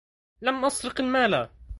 لم أسرق المال.